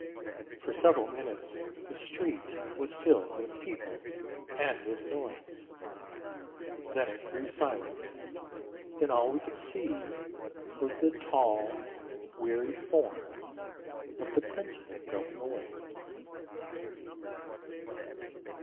For several minutes the street was filled with people and with noise. Then it grew silent, and all we could see was the tall, weary form of the principal going away.